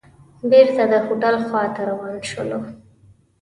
بېرته د هوټل خوا ته روان شولو.